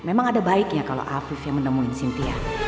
memang ada baiknya kalau afif yang menemuin cynthia